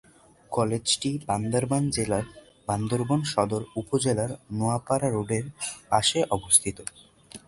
কলেজটি বান্দরবান জেলার বান্দরবান সদর উপজেলার নোয়াপাড়া রোডের পাশে অবস্থিত।